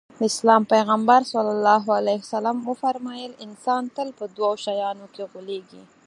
د اسلام پيغمبر ص وفرمايل انسان تل په دوو شيانو کې غولېږي.